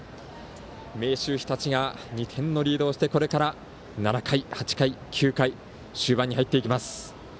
明秀日立が２点のリードをしてこれから７回、８回、９回終盤に入っていきます。